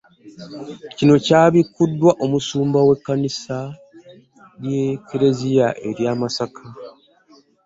Kino kyabikkuddwa omusumba w'e ssaza ly'e kleziya erya Masaka